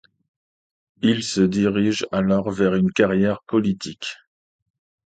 Il se dirige alors vers une carrière politique.